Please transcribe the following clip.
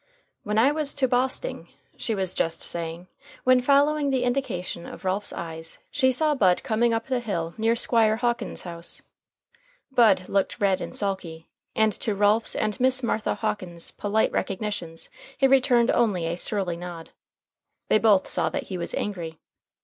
"When I was to Bosting," she was just saying, when, following the indication of Ralph's eyes, she saw Bud coming up the hill near Squire Hawkins's house. Bud looked red and sulky, and to Ralph's and Miss Martha Hawkins's polite recognitions he returned only a surly nod. They both saw that he was angry.